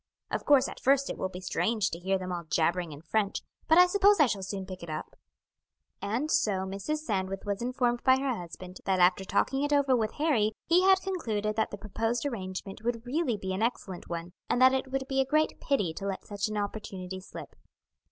Of course at first it will be strange to hear them all jabbering in French, but I suppose I shall soon pick it up." And so Mrs. Sandwith was informed by her husband that after talking it over with Harry he had concluded that the proposed arrangement would really be an excellent one, and that it would be a great pity to let such an opportunity slip.